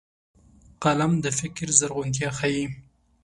قلم د فکر زرغونتيا ښيي